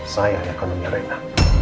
saya akan menyerahnya